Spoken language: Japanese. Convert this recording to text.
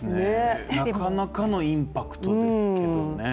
なかなかのインパクトですけどね。